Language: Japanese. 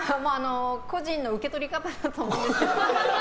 個人の受け取り方だと思うんですけど。